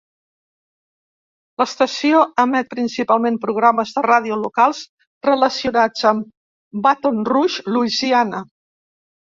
L'estació emet principalment programes de ràdio locals relacionats amb Baton Rouge, Louisiana.